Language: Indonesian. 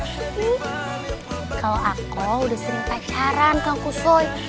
kalau aku sudah sering pacaran kang kusoy